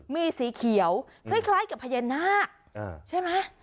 มีสีเขียวคล้ายกับพญานาคใช่ไหม